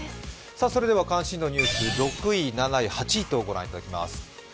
それでは関心度ニュース６位、７位、８位とご覧いただきます。